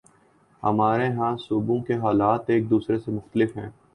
ہمارے ہاں صوبوں کے حالات ایک دوسرے سے مختلف ہیں۔